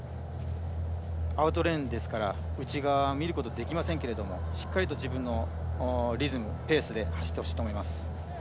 アウトレーンですから内側を見ることはできませんけどしっかりと自分のリズムペースで走ってほしいと思います。